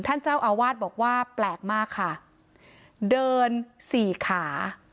ท่านเจ้าอาวาสบอกว่าแปลกมากค่ะเดินสี่ขา